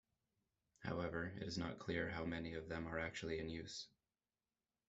However, it is not clear how many of them are actually in use.